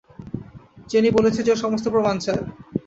চেনি বলেছে যে ও সমস্ত প্রমাণ চায়।